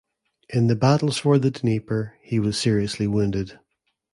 In the battles for the Dnieper he was seriously wounded.